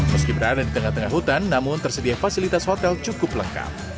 meski berada di tengah tengah hutan namun tersedia fasilitas hotel cukup lengkap